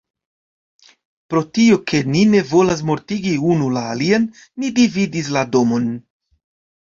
Pro tio, ke ni ne volas mortigi unu la alian, ni dividis la domon.